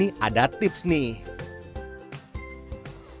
di tempat ini ada tips nih